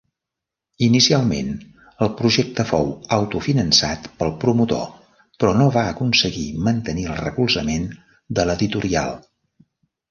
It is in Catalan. Inicialment, el projecte fou autofinançat pel promotor però no va aconseguir mantenir el recolzament de l'editorial.